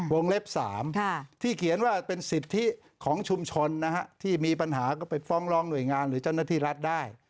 เล็บ๓ที่เขียนว่าเป็นสิทธิของชุมชนที่มีปัญหาก็ไปฟ้องร้องหน่วยงานหรือเจ้าหน้าที่รัฐได้